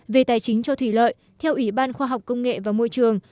về tài chính cho thủy lợi theo ủy ban khoa học công nghệ và môi trường